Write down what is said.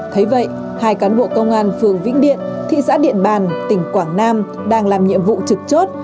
thấy vậy hai cán bộ công an phường vĩnh điện thị xã điện bàn tỉnh quảng nam đang làm nhiệm vụ trực chốt